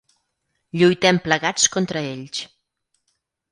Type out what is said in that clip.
Lluitem plegats contra ells.